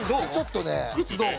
靴どう？